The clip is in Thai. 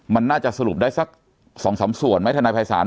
มันน่าจะสรุปได้สัก๒๓ส่วนไหมทนายภัยศาล